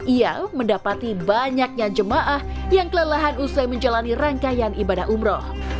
ia mendapati banyaknya jemaah yang kelelahan usai menjalani rangkaian ibadah umroh